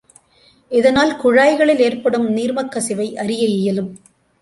இதனால் குழாய்களில் ஏற்படும் நீர்மக்கசிவை அறிய இயலும்.